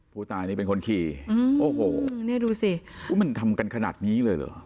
ผู้ตายนี่เป็นคนขี่โอ้โหเนี่ยดูสิมันทำกันขนาดนี้เลยเหรอ